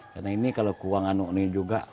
karena ini kalau kurang anak ini juga